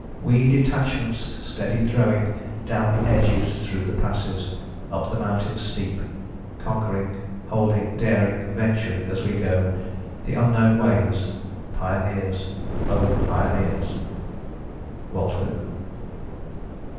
We detachments steady throwing, Down the edges, through the passes, up the mountains steep, Conquering, holding, daring, venturing, as we go, the unknown ways, Pioneers! O pioneers! WALT WHITMAN.